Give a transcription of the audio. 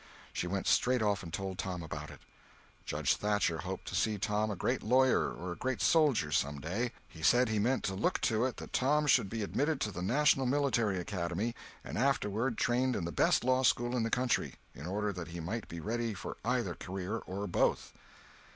She went straight off and told Tom about it. Judge Thatcher hoped to see Tom a great lawyer or a great soldier some day. He said he meant to look to it that Tom should be admitted to the National Military Academy and afterward trained in the best law school in the country, in order that he might be ready for either career or both.